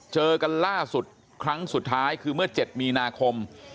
เจอกันล่าสุดครั้งสุดท้ายคือเมื่อ๗มีนาคม